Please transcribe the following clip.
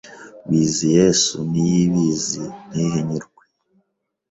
Bizyesu, Niyibizi, Ntihinyurwe”